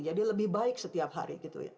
jadi lebih baik setiap hari